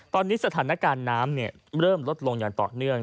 ตอนนี้สถานการณ์น้ำเริ่มลดลงอย่างต่อเนื่อง